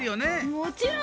もちろん！